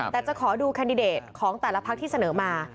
แต่จะขอดูแคนดิเดตของแต่ละพักที่เสนอมา